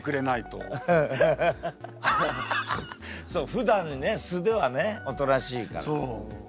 ふだんね素ではねおとなしいから。